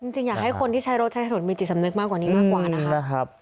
อยากให้คนที่ใช้รถใช้ถนนมีจิตสำนึกมากกว่านี้มากกว่านะคะ